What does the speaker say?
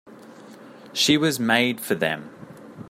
She was made for them.